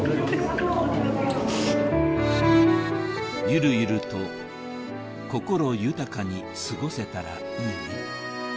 「ゆるゆると心豊かに過ごせたらいいね」